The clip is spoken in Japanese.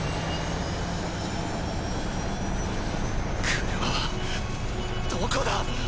車はどこだ？